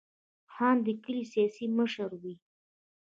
خان د کلي سیاسي مشر وي.